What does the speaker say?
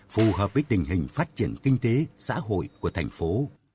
phù hợp với tình hình phát triển kinh tế xã hội của thành phố